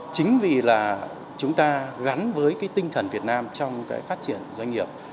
chính vì là chúng ta gắn với tinh thần việt nam trong phát triển doanh nghiệp